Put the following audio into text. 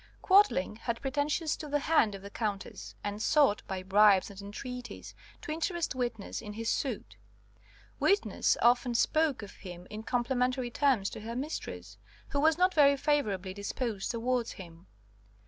"Quadling had pretensions to the hand of the Countess, and sought, by bribes and entreaties, to interest witness in his suit. Witness often spoke of him in complimentary terms to her mistress, who was not very favourably disposed towards him.